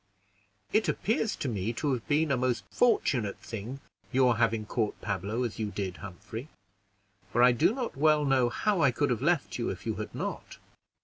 "It appears to me to have been a most fortunate thing, your having caught Pablo as you did, Humphrey, for I do not well know how I could have left you, if you had not."